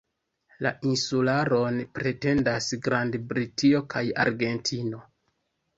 La insularon pretendas Grand-Britio kaj Argentino.